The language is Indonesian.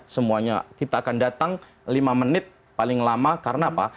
semuanya kita akan datang lima menit paling lama karena apa